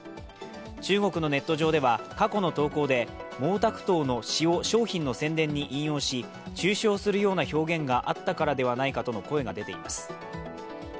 中国のネット上では過去の投稿で毛沢東の詩を商品の宣伝に引用し中傷するような表現があったからではないかとの声が出ています。